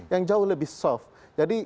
yang jauh lebih soft jadi